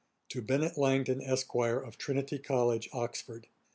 'To BENNET LANGTON, ESQ., OF TRINITY COLLEGE, OXFORD.